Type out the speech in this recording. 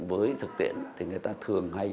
với thực tiễn thì người ta thường hay